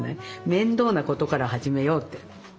「面倒なことから始めよう」って。